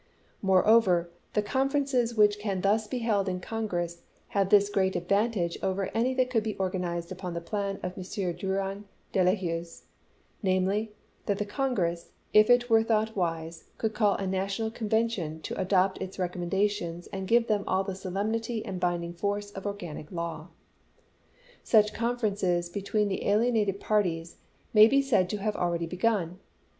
Moreover, the conferences which can thus be held in Congress have this great advantage over any that could be organized upon the plan of M. Drouyn de I'Huys, namely, that the Congi ess, if it were thought wise, could call a National Conven tion to adopt its recommendations and give them all the solemnity and binding force of organic law. Such conferences between the alienated parties may be said to have already begun.